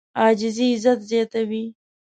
عاجزي عزت زیاتوي.